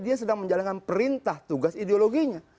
dia sedang menjalankan perintah tugas ideologinya